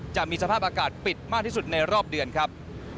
จะมีสภาพอากาศปิดมากที่สุดในรอบเดือนครับ